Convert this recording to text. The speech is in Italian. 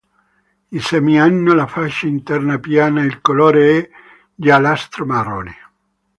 I semi hanno la faccia interna piana; il colore è giallastro-marrone.